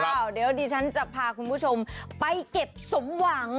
เดี๋ยวดิฉันจะพาคุณผู้ชมไปเก็บสมหวัง